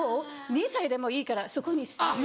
２歳でもいいからそこに１５分。